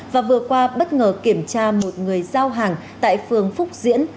và vừa qua bất ngờ kiểm tra một người giao hàng tại phường phúc diễn